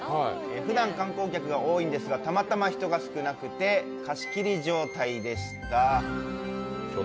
ふだん、観光客が多いんですが、たまたま人が少なくて貸し切り状態でした。